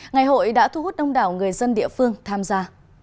ngày hội đã thu hút đông đảo người dân địa phương tham gia